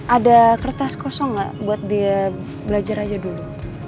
ada kertas kosong nggak buat dia belajar aja dulu